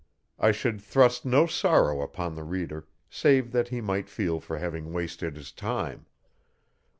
I should thrust no sorrow upon the reader save that he might feel for having wasted his time.